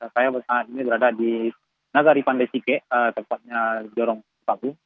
saya berada di nagaripandasike tempatnya jorong pabung